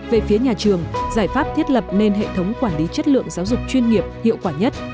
về phía nhà trường giải pháp thiết lập nên hệ thống quản lý chất lượng giáo dục chuyên nghiệp hiệu quả nhất